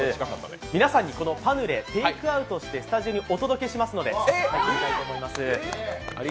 皆さんにパヌレ、テイクアウトしてスタジオにお届けしますので入っていきたいと思います。